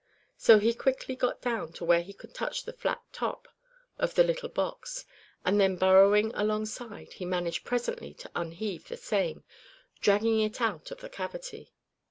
So he quickly got down to where he could touch the flat top of the little box; and then burrowing alongside, he managed presently to unheave the same, dragging it out of the cavity.